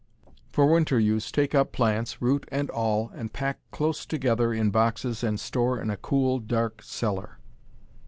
For winter use, take up plants, root and all, and pack close together in boxes and store in a cool, dark cellar.